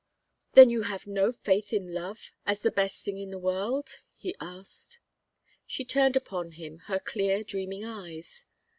"Then you have no faith in love as the best thing in the world?" he asked. She turned upon him her clear dreaming eyes.